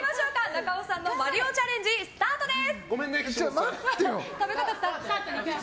中尾さんのマリオチャレンジスタートです！